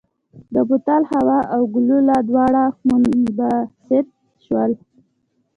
د بوتل هوا او ګلوله دواړه منبسط شول.